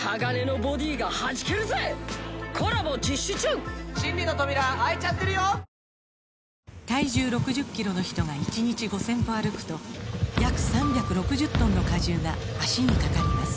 秋田、新潟、体重６０キロの人が１日５０００歩歩くと約３６０トンの荷重が脚にかかります